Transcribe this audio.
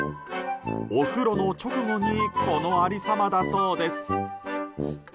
お風呂の直後にこの有り様だそうです。